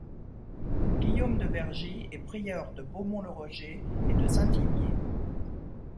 Guillaume de Vergy est prieur de Beaumont-le-Roger et de Saint-Ymier.